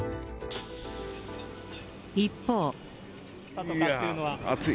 一方。